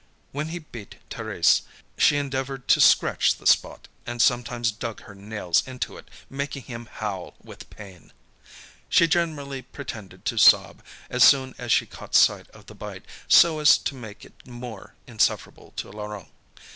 When he beat Thérèse, she endeavoured to scratch the spot, and sometimes dug her nails into it making him howl with pain. She generally pretended to sob, as soon as she caught sight of the bite, so as to make it more insufferable to Laurent.